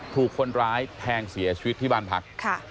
ถูกคนร้ายแทงเสียชีวิตที่บ้านพัก